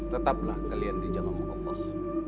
tetaplah kalian dijangka mukabah